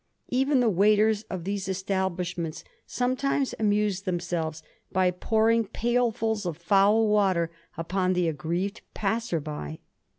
Even the waiters of these establishments sometimes amused themselves by pouring pailMs of foul water upon the aggrieved passer by.